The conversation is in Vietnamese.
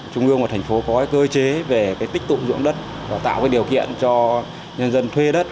trung ương của thành phố có cái cơ chế về cái tích tụ dụng đất và tạo cái điều kiện cho nhân dân thuê đất